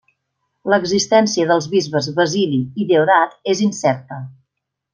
L'existència dels bisbes Basili i Deodat és incerta.